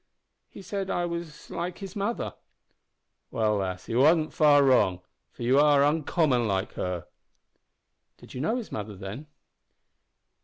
"He said I was like his mother." "Well, lass, he wasn't far wrong, for you are uncommon like her." "Did you know his mother, then?"